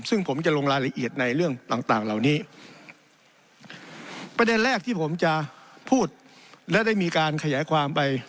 ซึ่งผมจะลงรายละเอียดในเรื่องต่างต่างเหล่านี้ประเด็นแรกที่ผมจะพูดและได้มีการขยายความไป